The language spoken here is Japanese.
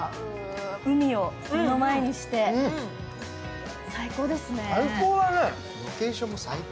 海を目の前にして、最高ですね。